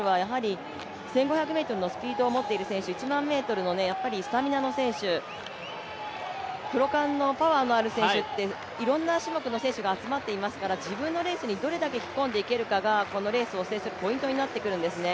この５０００ｍは１５００ｍのスピードを持っている選手、１００００ｍのスタミナの選手、クロカンのパワーのある選手と、いろんな種目の選手が集まっていますから、自分のレースに引っ張り込めるかが、このレースを制するポイントになってくるんですね。